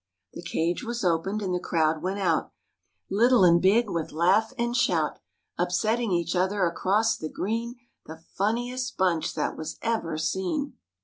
The cage was opened and the crowd went out, Little and big, with laugh and shout, Upsetting each other across the green, The funniest bunch that was ever seen.